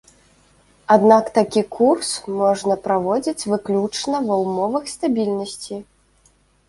Аднак такі курс можна праводзіць выключна ва ўмовах стабільнасці.